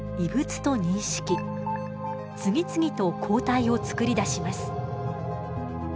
次々と抗体をつくり出します。